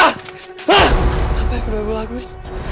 apa yang udah gue lakuin